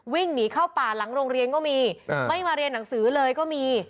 วิ่งหนีเข้าป่าหลังโรงเรียนก็มีไม่มาเรียนหนังสือเลยก็มี